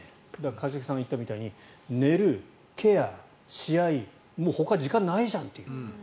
一茂さんが行ったみたいに寝る、ケア、試合ほかに時間ないじゃんという。